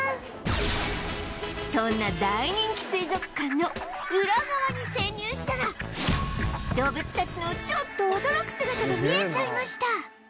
そんな大人気水族館のウラ側に潜入したら動物たちのちょっと驚く姿が見えちゃいました！